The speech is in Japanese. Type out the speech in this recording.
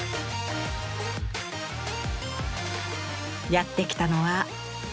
やってきたのは。